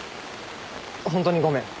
ホントにごめん。